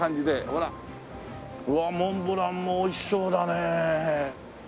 うわっモンブランもおいしそうだね。